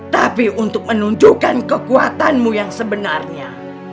tapi untuk menunjukkan kekuatanmu yang sebenarnya